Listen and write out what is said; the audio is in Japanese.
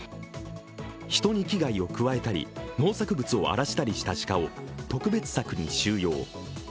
人に危害を加えたり農作物を荒らしたりした鹿を特別柵に収容。